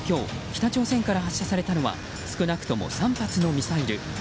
北朝鮮から発射されたのは少なくとも３発のミサイル。